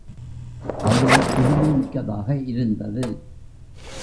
அது புதுமைமிக்கதாக இருந்தது.